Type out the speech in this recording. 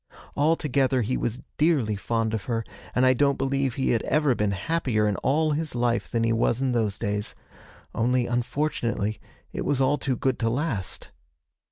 Altogether he was dearly fond of her, and I don't believe he had ever been happier in all his life than he was in those days. Only, unfortunately, it was all too good to last.'